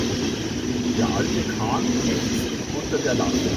Der alte Kahn ächzte unter der Last.